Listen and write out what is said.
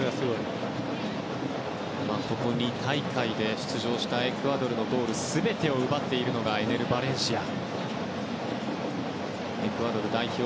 ここ２大会で出場したエクアドルのゴール全てを奪っているのがエネル・バレンシア。